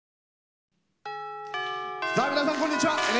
さあ皆さんこんにちは。